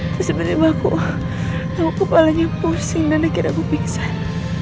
terus sementara aku kepala ku pusing dan akhirnya aku pingsan